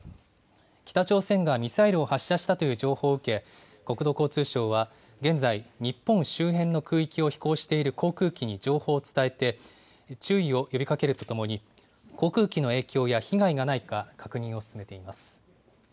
北朝鮮がミサイルを発射したという情報を受け、国土交通省は現在、日本周辺の空域を飛行している航空機に情報を伝えて、注意を呼びかけるとともに、航空機の影響や被害がないか確認を進めています。